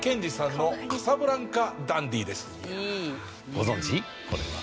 ご存じ？これは。